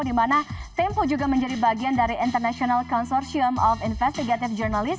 dimana tempo juga menjadi bagian dari international consortium of investigative journalist